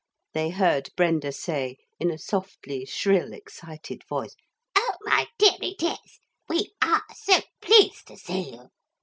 they heard Brenda say in a softly shrill excited voice; 'oh, my dearie dears! We are so pleased to see you.